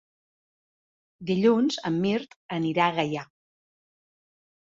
Dilluns en Mirt anirà a Gaià.